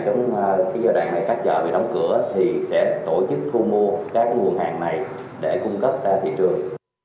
trong giai đoạn này các chợ bị đóng cửa thì sẽ tổ chức thu mua các nguồn hàng này để cung cấp ra thị trường